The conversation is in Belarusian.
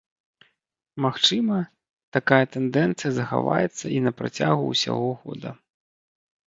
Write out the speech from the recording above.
Магчыма, такая тэндэнцыя захаваецца і на працягу ўсяго года.